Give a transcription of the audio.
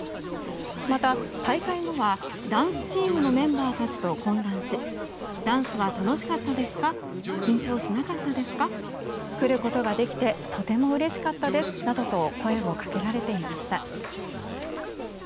また大会後はダンスチームのメンバーたちと懇談しダンスは楽しかったですか緊張しなかったですか来ることができてとてもうれしかったですなどと声をかけられていました。